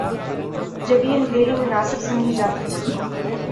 جب یہ حویلی مناسب سمجھی جاتی تھی۔